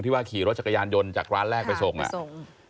ว่าขี่รถจักรยานยนต์จากร้านแรกไปส่งอ่ะส่ง